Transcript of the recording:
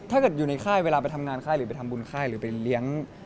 ถ้าเกิดอยู่ในค่ายเวลาไปทำงานค่ายหรือไปทำบุญค่ายหรือไปเลี้ยง